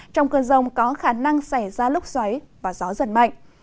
trong cơn rông có khả năng xảy ra lúc xoáy và gió giật mạnh